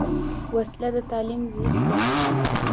وسله د تعلیم ضد ده